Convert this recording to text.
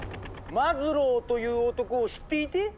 マズローという男を知っていて？